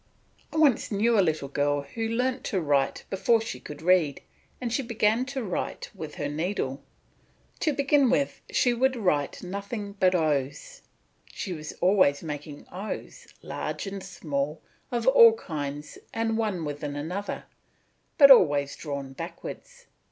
I once knew a little girl who learnt to write before she could read, and she began to write with her needle. To begin with, she would write nothing but O's; she was always making O's, large and small, of all kinds and one within another, but always drawn backwards.